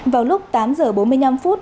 vào lúc tám giờ bốn mươi năm phút